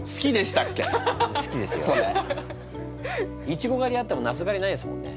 いちご狩りあってもなす狩りないですもんね。